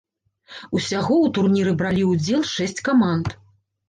Усяго ў турніры бралі ўдзел шэсць каманд.